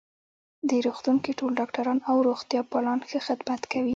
دې روغتون کې ټول ډاکټران او روغتیا پالان ښه خدمت کوی